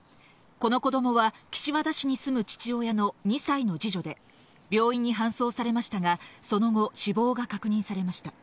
この子供は岸和田市に住む父親の２歳の二女で病院に搬送されましたがその後、死亡が確認されました。